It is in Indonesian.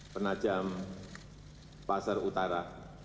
penajam pasar utara